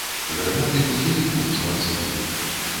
Грымоты будзілі пушчу ад сну.